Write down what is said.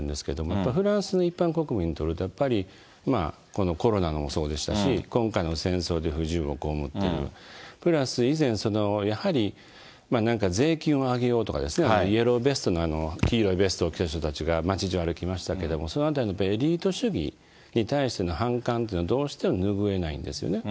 やっぱりフランスの一般国民とるとやっぱり、このコロナもそうでしたし、今回の戦争で不自由を被ってる、プラス以前、やはりなんか税金を上げようとか、イエローベストの、黄色いベストを着てる人たちが街じゅう歩きましたけど、そのあたりのエリート主義に対しての反感というのはどうしても拭えないんですよね。